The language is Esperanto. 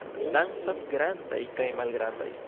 Dancas grandaj kaj malgrandaj!